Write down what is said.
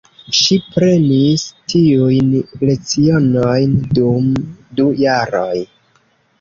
Ŝi prenis tiujn lecionojn dum du jaroj.